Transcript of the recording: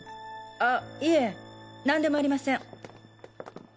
あいえなんでもありません。